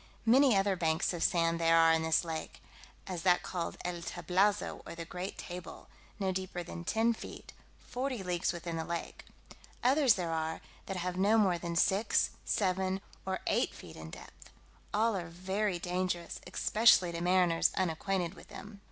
Many other banks of sand there are in this lake; as that called El Tablazo, or the Great Table, no deeper than ten feet, forty leagues within the lake; others there are, that have no more than six, seven, or eight feet in depth: all are very dangerous, especially to mariners unacquainted with them.